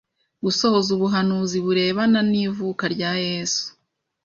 gusohoza ubuhanuzi burebana n ivuka rya Yesu